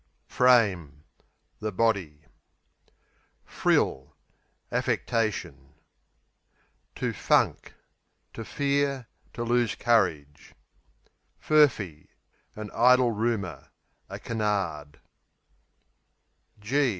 Frame The body. Frill Affectation. Funk, to To fear; to lose courage. Furphy An idle rumour; a canard.